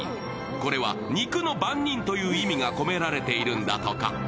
これは肉の番人という意味が込められているんだとか。